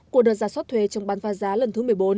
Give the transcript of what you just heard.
của đợt ra soát thuế chống bán phá giá lần thứ một mươi bốn